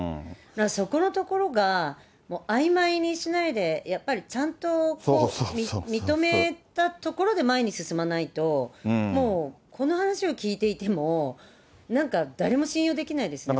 そこのところが、もうあいまいにしないで、やっぱりちゃんと認めたところで前に進まないと、もうこの話を聞いていても、なんか、誰も信用できないですよね。